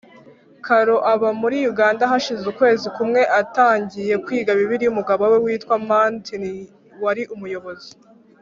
Caro aba muri Uganda Hashize ukwezi kumwe atangiye kwiga Bibiliya umugabo we witwa Martin wari umuyobozi